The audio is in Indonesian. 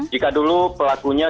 jika dulu pelakunya